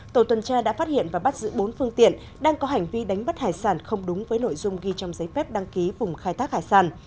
tổ tuần tra đã phát hiện và bắt giữ bốn phương tiện đang có hành vi đánh bắt hải sản không đúng với nội dung ghi trong giấy phép đăng ký vùng khai thác hải sản